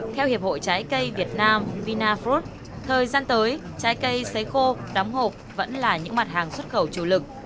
theo hiệp hội trái cây việt nam vina frost thời gian tới trái cây xấy khô đóng hộp vẫn là những mặt hàng xuất khẩu chủ lực